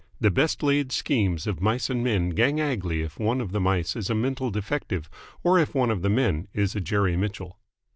The best laid schemes of mice and men gang agley if one of the mice is a mental defective or if one of the men is a Jerry Mitchell.